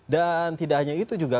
dan tidak hanya itu juga